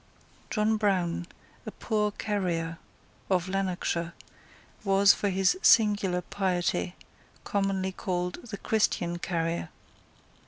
John Brown, a poor carrier of Lanarkshire, was, for his singular piety, commonly called the Christian carrier.